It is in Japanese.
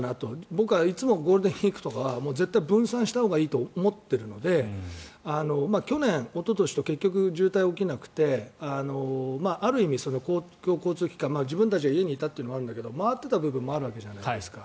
僕はいつもゴールデンウィークとか絶対、分散したほうがいいと思っているので去年、おととしと結局、渋滞が起きなくてある意味、公共交通機関自分たちが家にいたのもあるけど回っていた部分もあるわけじゃないですか。